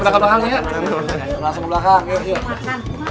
ke belakang ya langsung ke belakang belakang ya